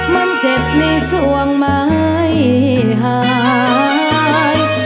มันเจ็บในส่วงไม่หาย